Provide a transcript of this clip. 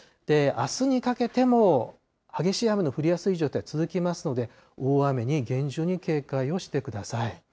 あすにかけても激しい雨の降りやすい状態続きますので、大雨に厳重に警戒をしてください。